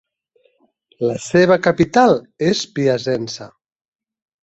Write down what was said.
La seva capital és Piacenza.